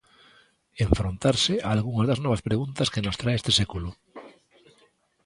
Enfrontarse a algunhas das novas preguntas que nos trae este século.